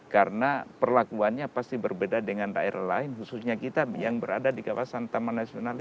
karena perlakuannya pasti berbeda dengan daerah lain khususnya kita yang berada di kawasan taman nasional ini